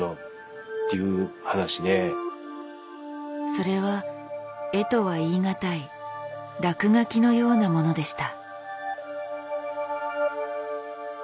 それは絵とは言い難い落書きのようなものでした。